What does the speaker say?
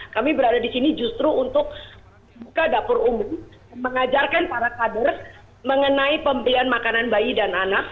kami berada di sini justru untuk buka dapur umum mengajarkan para kader mengenai pembelian makanan bayi dan anak